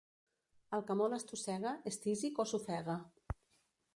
El que molt estossega és tísic o s'ofega.